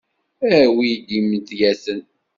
Awi-d imedyaten.